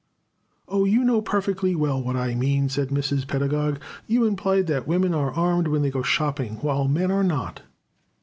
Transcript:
"O you know perfectly well what I mean," said Mrs. Pedagog. "You implied that women are armed when they go shopping, while men are not."